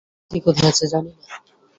শ্রুতি কোথায় আছে জানি না?